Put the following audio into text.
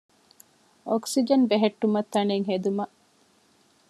އޮކްސިޖަން ބެހެއްޓުމަށް ތަނެއް ހެދުމަށް